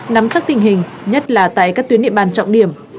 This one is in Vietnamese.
nắm chắc tình hình nhất là tại các tuyến địa bàn trọng điểm